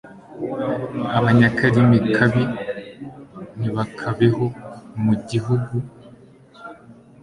Abanyakarimi kabi ntibakabeho mu gihugu